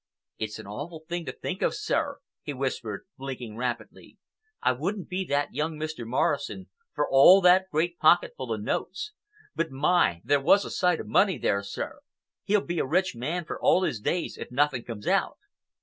"It's an awful thing to think of, sir," he whispered, blinking rapidly. "I wouldn't be that young Mr. Morrison for all that great pocketful of notes. But my! there was a sight of money there, sir! He'll be a rich man for all his days if nothing comes out."